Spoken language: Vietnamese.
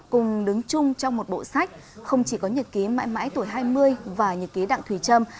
cùng đứng chung trong một bộ sách không chỉ có nhật ký mãi mãi tuổi hai mươi và nhật ký đặng thùy trâm